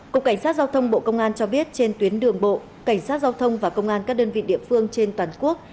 cục cảnh sát giao thông bộ công an cho biết trên tuyến đường bộ cảnh sát giao thông và công an các đơn vị địa phương trên toàn quốc